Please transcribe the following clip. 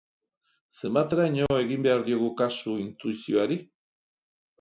Zenbateraino egin behar diogu kasu intuizioari?